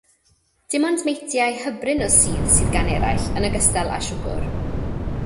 Dim ond meintiau hybrin o sudd sydd gan eraill, yn ogystal â siwgr.